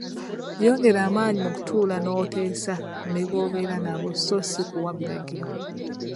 Yongera amaanyi mu kutuula n'oteesa ne b'obeera nabo sso si kuwa biragiro.